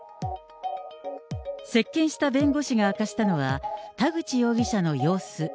接見した弁護士が明かしたのは、田口容疑者の様子。